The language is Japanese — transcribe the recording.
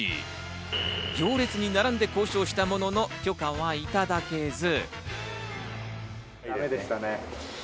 行列に並んで交渉したものの、許可はいただけず。